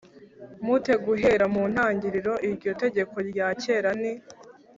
mu te guhera mu ntangiriro Iryo tegeko rya kera ni